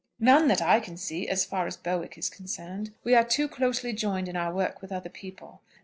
"None that I can see, as far as Bowick is concerned. We are too closely joined in our work with other people.